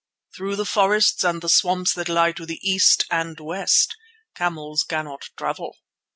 Through the forests and the swamps that lie to the east and west camels cannot travel."